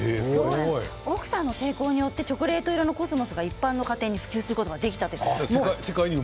奥さんの成功によってチョコレートコスモスが一般の家庭に普及することになったんです。